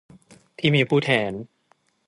ที่มีผู้แทน